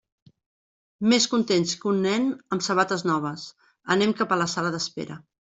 Més contents que un nen amb sabates noves, anem cap a la sala d'espera.